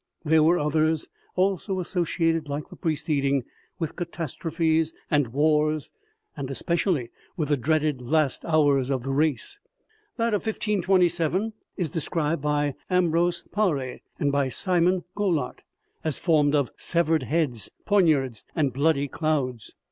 There were others, also, associated like the preceding, with catastrophes and wars, and especially with the dreaded last hours of the race. That of 1527 is described "by Ambroise Pare, and by Simon Goulart, as formed of severed heads, poignards and bloody clouds.